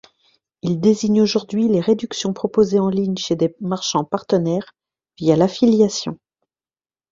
Il désigne aujourd'hui les réductions proposées en ligne chez des marchands partenaires, via l'affiliation.